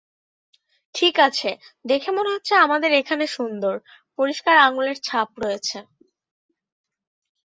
ঠিক আছে, দেখে মনে হচ্ছে আমাদের এখানে সুন্দর, পরিষ্কার আঙুলের ছাপ রয়েছে।